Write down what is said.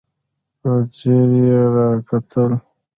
په ځير يې راکتل.